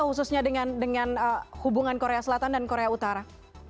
khususnya dengan hubungan korea selatan dan korea utara